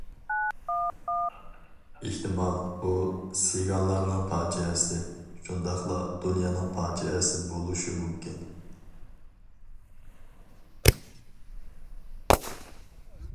ئېھتىمال بۇ سىگانلارنىڭ پاجىئەسى، شۇنداقلا دۇنيانىڭ پاجىئەسى بولۇشى مۇمكىن.